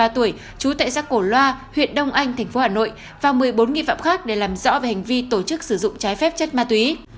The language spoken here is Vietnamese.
ba mươi ba tuổi trú tại giác cổ loa huyện đông anh tp hà nội và một mươi bốn nghi phạm khác để làm rõ về hành vi tổ chức sử dụng trái phép chất ma túy